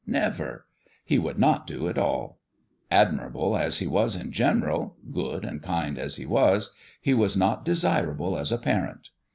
Never ! He would not do at all ! Admirable as he was in general good and kind as he was he was not desirable as a parent.